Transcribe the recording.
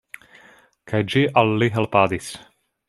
Kaj ĝi al li helpadis.